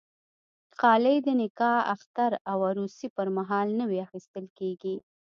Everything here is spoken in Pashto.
غالۍ د نکاح، اختر او عروسي پرمهال نوی اخیستل کېږي.